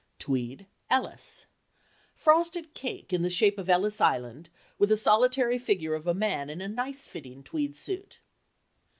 "Tweed Ellis"—frosted cake in the shape of Ellis Island with a solitary figure of a man in a nice fitting tweed suit.